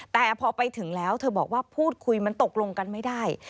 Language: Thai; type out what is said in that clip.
แต่พอไปถึงแล้วเธอบอกว่าพูดคุยมันตกลงกันไม่ได้